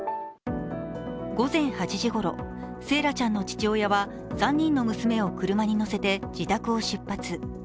午前８時ごろ惺愛ちゃんの父親は３人の娘を車に乗せて自宅を出発。